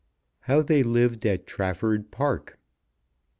HOW THEY LIVED AT TRAFFORD PARK.